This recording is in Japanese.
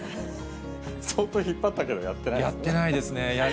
相当引っ張ったけど、やってやってないですね。